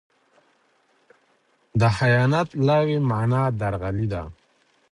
د خیانت لغوي مانا؛ درغلي ده.